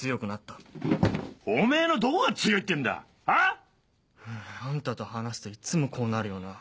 ⁉ハァあんたと話すといっつもこうなるよな。